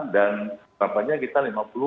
dan tampaknya kita lima puluh